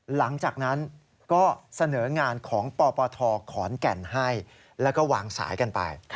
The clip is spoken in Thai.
หลังจากนั้นก็เสนองานของปปทขอนแก่นให้แล้วก็วางสายกันไป